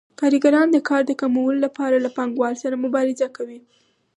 کارګران د کار د کمولو لپاره له پانګوالو سره مبارزه کوي